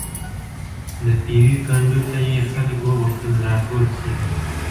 د پېوې کنډو ته یې خلک وغوښتل راټول شي.